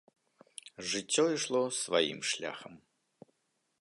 Жыццё ішло сваім шляхам.